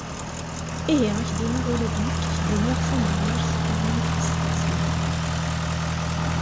Ihi ad ak-d-iniɣ ula d nekk ad ak-d-iniɣ tanmirt imi iyi-d-tḥesseḍ zgelli.